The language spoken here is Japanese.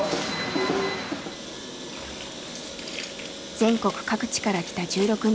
全国各地から来た１６人。